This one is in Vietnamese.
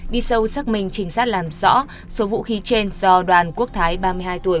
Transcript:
đi sâu xác minh trinh sát làm rõ số vũ khí trên do đoàn quốc thái ba mươi hai tuổi